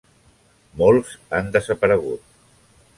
Molts han desaparegut.